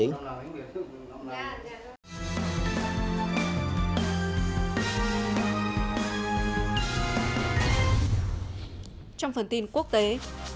trong phần tin quốc tế hội đồng bảo an liên hợp quốc chỉ trích vụ triều tiên phóng tên lửa